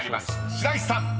白石さん］